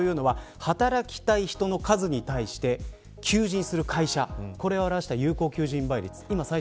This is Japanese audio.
その背景というのは働きたい人の数に対して求人する会社これを表した有効求人倍率。